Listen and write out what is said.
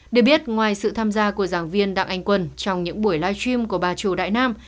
để biết ngoài sự tham gia của giảng viên đặng anh quân trong những buổi live stream của bà trù đại nam